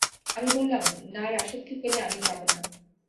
আমি বললাম, না, রাশেদকে ফেলে আমি যাব না।